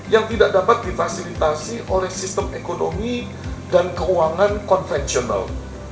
yang tidak dapat difasilitasi oleh sistem ekonomi dan keuangan konvensional